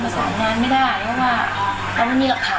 เพราะว่าต้องมีหลักฐาน